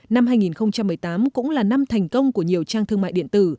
năm hai nghìn một mươi tám cũng là năm thành công của nhiều trang thương mại điện tử